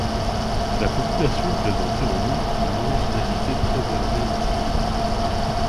La population présentait en outre une originalité préservée et typique.